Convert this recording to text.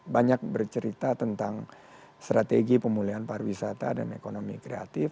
banyak bercerita tentang strategi pemulihan pariwisata dan ekonomi kreatif